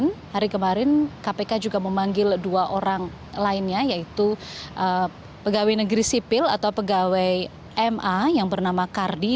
yang melibatkan mantan sekretaris ma nur hadi yang kemarin hari kemarin kpk juga memanggil dua orang lainnya yaitu pegawai negeri sipil atau pegawai ma yang bernama kardi dan juga menantu sekaligus tersangka dalam kasus ini rizki herbiono